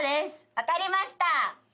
分かりました。